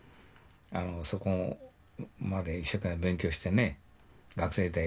そこまで一生懸命勉強してね学生でやったでしょ？